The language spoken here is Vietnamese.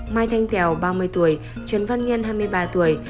mai thanh tèo ba mươi tuổi trần văn nhân hai mươi ba tuổi